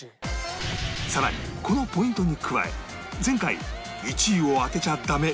さらにこのポイントに加え前回「１位を当てちゃダメ！